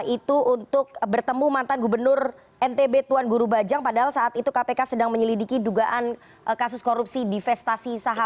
itu untuk bertemu mantan gubernur ntb tuan guru bajang padahal saat itu kpk sedang menyelidiki dugaan kasus korupsi divestasi saham